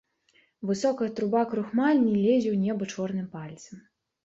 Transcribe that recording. Высокая труба крухмальні лезе ў неба чорным пальцам.